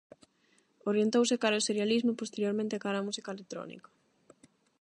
Orientouse cara ao serialismo e posteriormente cara á música electrónica.